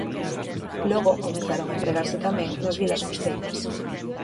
Logo comezaron a empregarse tamén nas vilas costeiras.